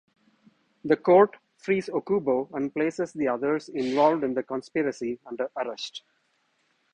The court frees Okubo and places the others involved in the conspiracy under arrest.